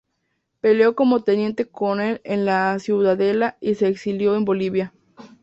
Peleó como teniente coronel en La Ciudadela y se exilió en Bolivia.